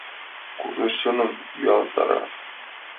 Курныж чоным йӱлалтара.